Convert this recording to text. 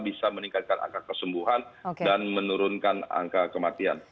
bisa meningkatkan angka kesembuhan dan menurunkan angka kematian